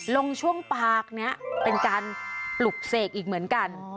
ลงช่วงปากนี้เป็นการปลุกเสกอีกเหมือนกัน